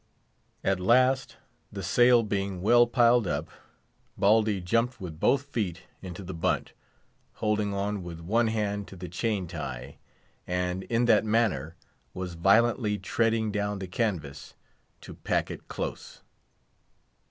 At last, the sail being well piled up, Baldy jumped with both feet into the bunt, holding on with one hand to the chain "tie," and in that manner was violently treading down the canvas, to pack it close.